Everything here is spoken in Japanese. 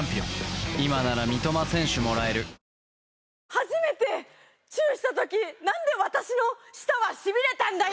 初めてチューした時なんで私の舌はしびれたんだよ！